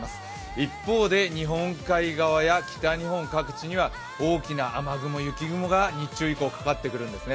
一方で日本海側や北日本各地には大きな雨雲・雪雲が日中以降かかってくるんですね。